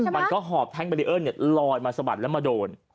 มันก็หอบแทงก์เบรียร์ลอนมาสะบัดแล้วมาโดน